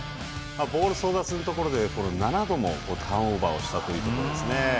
ボール争奪のところで７度もターンオーバーをしたところですね。